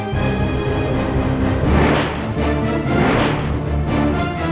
tenanglah tapa musti